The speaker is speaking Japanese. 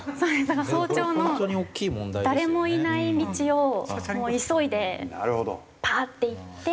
だから早朝の誰もいない道をもう急いでパーッて行って。